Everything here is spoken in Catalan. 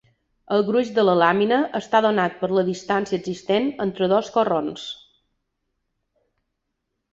El gruix de la làmina està donat per la distància existent entre dos corrons.